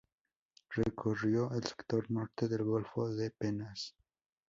Recorrió el sector norte del golfo de Penas.